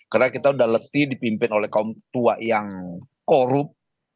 karena kita sudah letih dipimpin oleh kaum tua yang korup